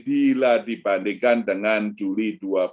bila dibandingkan dengan juli dua ribu dua puluh